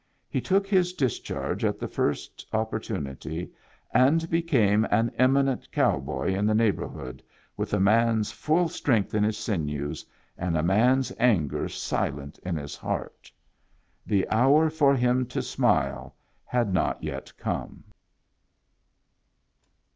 He took his dis charge at the first opportunity, and became an em inent cow boy in the neighborhood, with a man's full strength in his sinews, and a man's anger si lent in his heart. The hour for him to smile had not yet come.